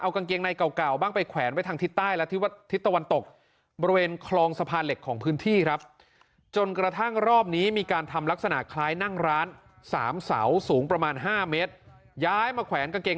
เอากางเกงในเก่าบ้างไปแขวนทางทิศใต้และทิศตะวันตก